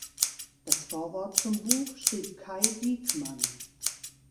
Das Vorwort zum Buch schrieb Kai Diekmann.